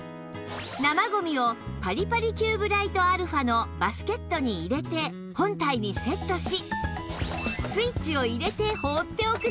生ゴミをパリパリキューブライトアルファのバスケットに入れて本体にセットし